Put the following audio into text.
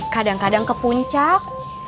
kadang kadang ke puncak